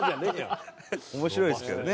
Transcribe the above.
面白いですけどね